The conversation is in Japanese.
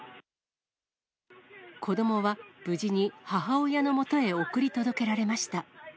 子どもは無事に母親のもとへ送り届けられました。